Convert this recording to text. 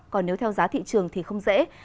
còn nếu theo giá thị trường thì không dễ